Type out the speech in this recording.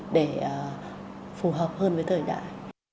để phù hợp hơn với thời đại